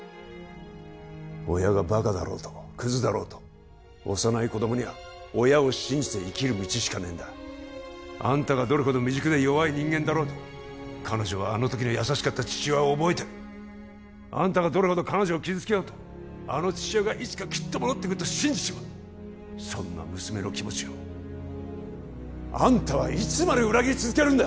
親がバカだろうとクズだろうと幼い子供には親を信じて生きる道しかねえんだあんたがどれほど未熟で弱い人間だろうと彼女はあの時の優しかった父親を覚えてるあんたがどれほど彼女を傷つけようとあの父親がいつかきっと戻ってくると信じちまうそんな娘の気持ちをあんたはいつまで裏切り続けるんだ！